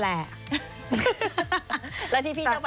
นุ้ยวางละพีเวลาแล้วนุ้ยก็ยืดอีกสักหน่อยได้ป่ะ